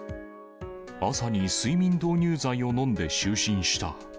朝に睡眠導入剤を飲んで就寝した。